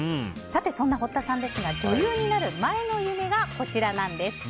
そんな堀田さんですが女優になる前の夢がこちら。